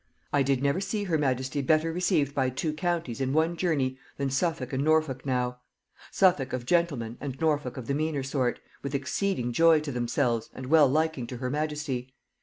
"I did never see her majesty better received by two counties in one journey than Suffolk and Norfolk now; Suffolk of gentlemen and Norfolk of the meaner sort, with exceeding joy to themselves and well liking to her majesty.